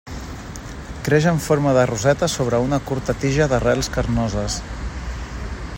Creix en forma de roseta sobre una curta tija d'arrels carnoses.